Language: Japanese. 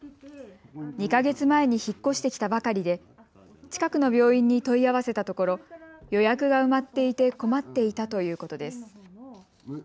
２か月前に引っ越してきたばかりで近くの病院に問い合わせたところ予約が埋まっていて困っていたということです。